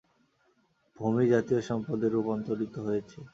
ভূমি জাতীয় সম্পদে রূপান্তরিত হয়েছে।